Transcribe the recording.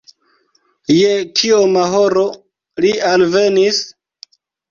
Je kioma horo li alvenis?